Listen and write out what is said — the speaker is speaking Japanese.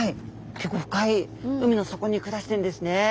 結構深い海の底に暮らしてるんですね。